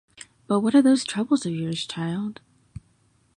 But what are these troubles of yours, child?